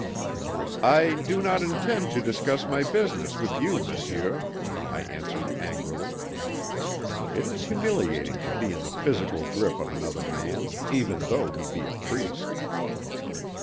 "I do not intend to discuss my business with you, monsieur," I answered angrily. It is humiliating to be in the physical grip of another man, even though he be a priest.